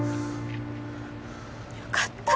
よかった。